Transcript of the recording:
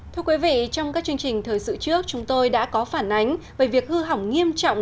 thưa quý vị trong các chương trình thời sự trước chúng tôi đã có phản ánh về việc hư hỏng nghiêm trọng